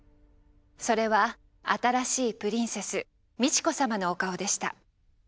それは新しいプリンセス美智子さまのお顔でした。